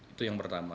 itu yang pertama